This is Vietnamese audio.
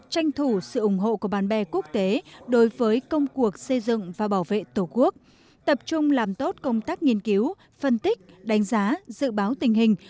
tranh thủ sự ủng hộ của bạn bè quốc tế đối với công cuộc xây dựng và bảo vệ tổ quốc tập trung làm tốt công tác nghiên cứu phân tích đánh giá dự báo tình hình